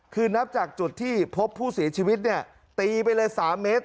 คือนับจากจุดที่พบผู้เสียชีวิตเนี่ยตีไปเลย๓เมตร